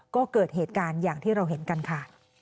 ก็เกิดเหตุการณ์อย่างที่เราเห็นกันค่ะ